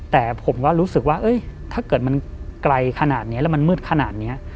แต่ผมก็รู้สึกว่าถ้าเกิดมันไกลขนาดนี้แล้วมันมืดขนาดนี้